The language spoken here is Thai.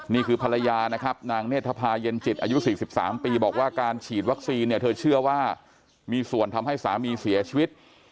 นี่คือภรรยานะครับนางเนธภาเย็นจิตอายุ๔๓ปีบอกว่าการฉีดวัคซีนเนี่ยเธอเชื่อว่ามีส่วนทำให้สามีเสียชีวิต